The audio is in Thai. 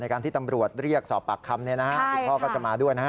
ในการที่ตำรวจเรียกสอบปากคำพ่อก็มาด้วย